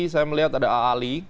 saya melihat ada aali